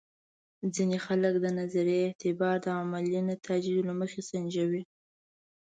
ځینې خلک د نظریې اعتبار د عملي نتایجو له مخې سنجوي.